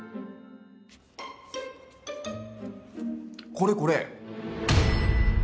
これこれ！